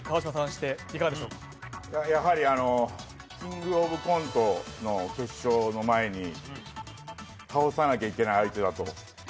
やはり「キングオブコント」の決勝の前に倒さなきゃいけない相手だと。